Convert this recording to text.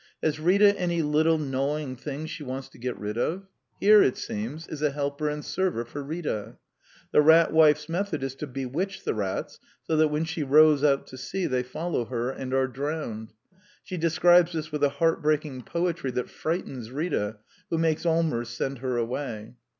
Has Rita any little gnawing things she wants to get rid of? Here, it seems, is a helper and server for Rita. The Rat Wife's method is to bewitch the rats so that when she rows out to sea they follow her and are drowned. She describes this with a heart breaking poetry that frightens Rita, who makes Allmers send her away.